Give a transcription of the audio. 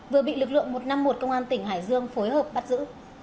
vừa bị lực lượng một trăm năm mươi một công an tỉnh hải dương phối hợp bắt giữ